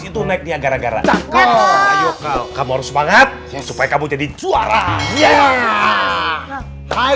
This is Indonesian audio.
itu naiknya gara gara takut kamu harus banget supaya kamu jadi juara ya hai